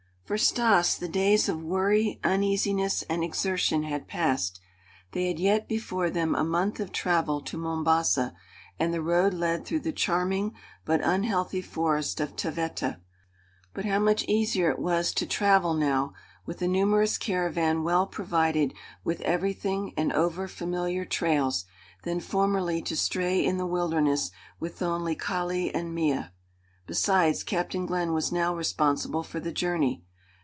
For Stas the days of worry, uneasiness and exertion had passed. They had yet before them a month of travel to Mombasa and the road led through the charming but unhealthy forest of Taveta; but how much easier it was to travel now, with a numerous caravan well provided with everything and over familiar trails, than formerly to stray in the wilderness with only Kali and Mea. Besides, Captain Glenn was now responsible for the journey.